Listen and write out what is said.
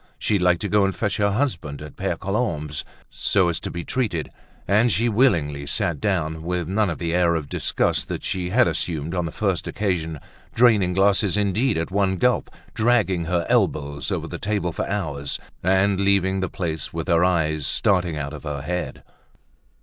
She liked to go and fetch her husband at Pere Colombe's, so as to be treated; and she willingly sat down, with none of the air of disgust that she had assumed on the first occasion, draining glasses indeed at one gulp, dragging her elbows over the table for hours and leaving the place with her eyes starting out of her head.